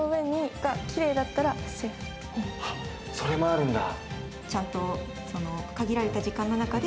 はっそれもあるんだ。